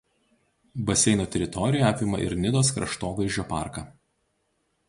Baseino teritorija apima ir Nidos kraštovaizdžio parką.